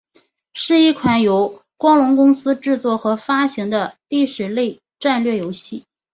是一款由光荣公司制作和发行的历史类战略游戏。